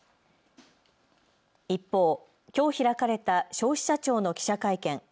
一方、きょう開かれた消費者庁の記者会見。